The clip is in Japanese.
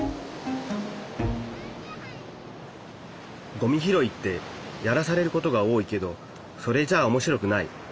ごみ拾いってやらされることが多いけどそれじゃあ面白くない。